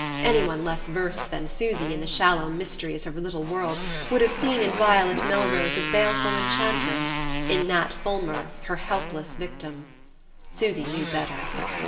Any one less versed than Susy in the shallow mysteries of her little world would have seen in Violet Melrose a baleful enchantress, in Nat Fulmer her helpless victim. Susy knew better.